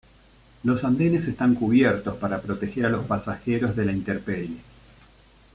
Los andenes están cubiertos para proteger a los pasajeros de la intemperie.